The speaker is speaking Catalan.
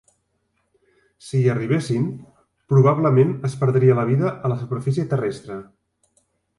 Si hi arribessin, probablement es perdria la vida a la superfície terrestre.